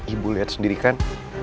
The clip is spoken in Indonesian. ibu liat sendiri kan